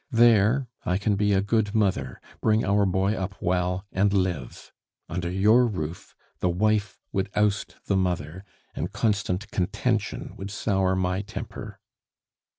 There, I can be a good mother, bring our boy up well, and live. Under your roof the wife would oust the mother; and constant contention would sour my temper.